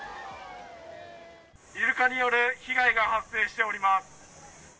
イルカによる被害が発生しております。